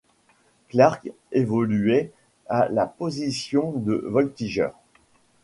Clark évoluait à la position de voltigeur.